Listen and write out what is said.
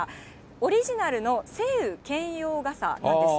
オリジナルの晴雨兼用傘なんです。